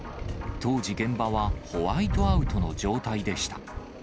当時、現場はホワイトアウトの状態でした。